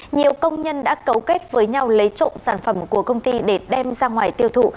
nhiều công nhân đã cấu kết với nhau lấy trộm sản phẩm của công ty để đem ra ngoài tiêu thụ